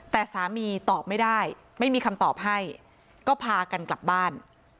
แต่สามีตอบไม่ได้ไม่มีคำตอบให้ก็พากันกลับบ้าน